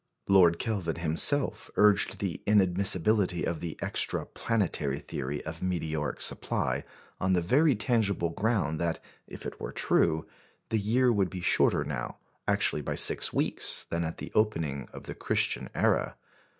Lord Kelvin himself urged the inadmissibility of the "extra planetary" theory of meteoric supply on the very tangible ground that, if it were true, the year would be shorter now, actually by six weeks, than at the opening of the Christian era.